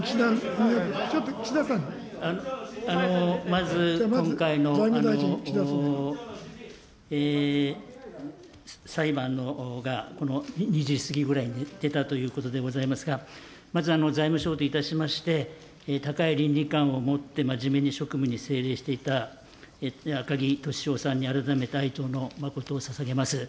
まず、今回の裁判が２時過ぎぐらいに出たということでございますが、まず、財務省といたしまして、高い倫理観を持って、真面目に職務に精励していた赤木としおさんに改めて哀悼の誠を捧げます。